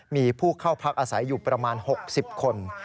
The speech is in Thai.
มีผู้เข้าพักอาศัยอยู่ประมาณ๖๐คน